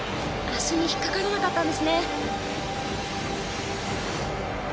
足に引っかからなかったんですね。